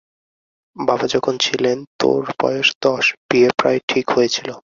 বাবা যখন ছিলেন, তোর বয়স দশ– বিয়ে প্রায় ঠিক হয়েছিল।